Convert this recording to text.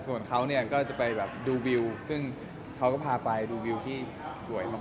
ส่วนเขาเนี่ยก็จะไปแบบดูวิวซึ่งเขาก็พาไปดูวิวที่สวยมาก